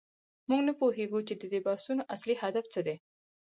موږ نه پوهیږو چې د دې بحثونو اصلي هدف څه دی.